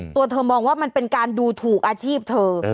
ตัวเธอมองว่ามันเป็นการดูถูกอาชีพเธอ